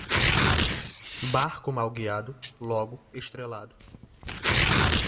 Barco mal guiado, logo estrelado.